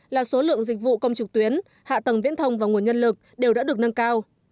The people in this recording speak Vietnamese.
là số lượng dịch vụ công trực tuyến hạ tầng viễn thông và nguồn nhân lực đều đã được nâng cao